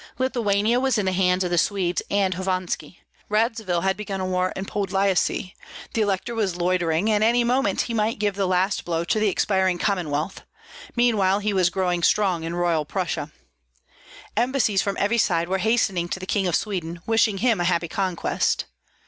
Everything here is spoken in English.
Lithuania was in the hands of the Swedes and Hovanski. Radzivill had begun war in Podlyasye, the elector was loitering, and any moment he might give the last blow to the expiring Commonwealth; meanwhile he was growing strong in Royal Prussia. Embassies from every side were hastening to the King of Sweden, wishing him a happy conquest.